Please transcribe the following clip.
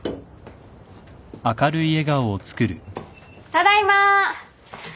ただいま。